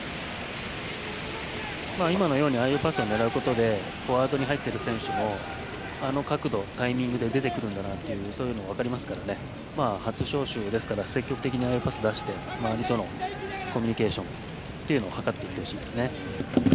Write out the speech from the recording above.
今のようなパスを狙うことでフォワードに入っている選手もあの角度、タイミングで出てくるんだというのが分かるので初招集ですから積極的にああいうパスを出して周りとのコミュニケーションを図っていってほしいですね。